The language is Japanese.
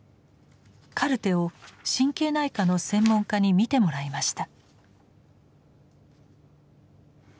カルテを神経内科の専門家に見てもらいました。